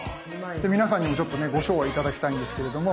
で皆さんにもちょっとねご唱和頂きたいんですけれども。